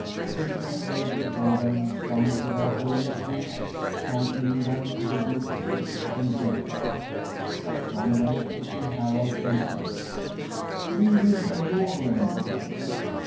People fled before them, some to their own kings, some inland to the deep woods and hid there. But some went to King Harald and said: "We will be your men."